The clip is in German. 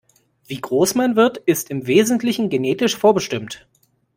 Wie groß man wird, ist im Wesentlichen genetisch vorbestimmt.